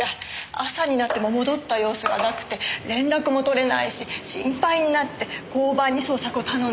朝になっても戻った様子がなくて連絡も取れないし心配になって交番に捜索を頼んだんです。